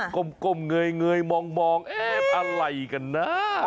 ก้มเงยมองเอ๊ะอะไรกันนะ